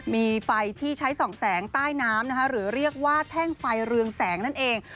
มีไฟที่ใช้ส่องแสงใต้น้ำนะคะหรือเรียกว่าแท่งไฟเรืองแสงนั่นเอง